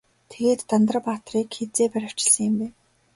Тэгээд Дандар баатрыг хэзээ баривчилсан юм бэ?